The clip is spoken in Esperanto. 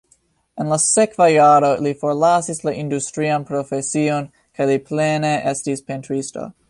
En la sekva jaro li forlasis la industrian profesion kaj li plene estis pentristo.